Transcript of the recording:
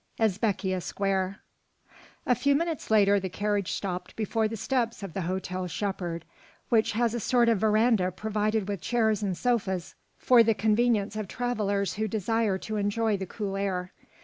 EZBEKÎYEH SQUARE A few minutes later the carriage stopped before the steps of the Hotel Shepheard, which has a sort of veranda provided with chairs and sofas for the convenience of travellers who desire to enjoy the cool air.